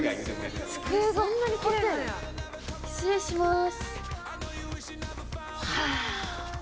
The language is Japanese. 失礼します。